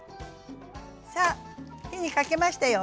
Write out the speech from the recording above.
さあ火にかけましたよ。